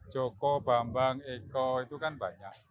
joko bambang eko itu kan banyak